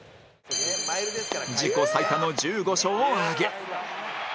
自己最多の１５勝を挙げ